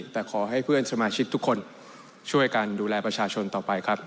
แต่ขอให้เพื่อนสมาชิกทุกคนช่วยกันดูแลประชาชนต่อไปครับ